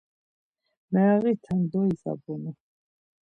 Merağite doizabunu.